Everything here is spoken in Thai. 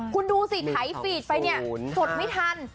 คุณดูสิไถฟีดไปเนี่ยกดไม่ทัน